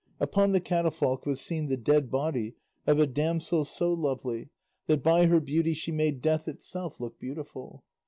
Upon the catafalque was seen the dead body of a damsel so lovely that by her beauty she made death itself look beautiful.